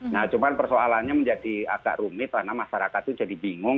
nah cuma persoalannya menjadi agak rumit karena masyarakat itu jadi bingung